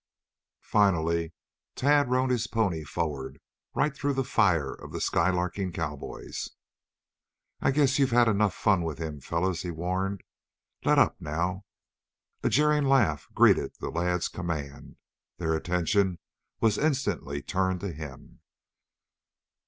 Finally Tad rode his pony forward, right through the fire of the skylarking cowboys. "I guess you've had enough fun with him, fellows," he warned. "Let up now." A jeering laugh greeted the lad's command. Their attention was instantly turned to him.